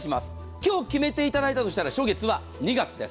今日決めていただいたとしたら初月は２月です。